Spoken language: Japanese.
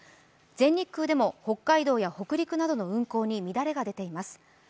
全日空でも北海道や北陸などの運航に乱れが出ています。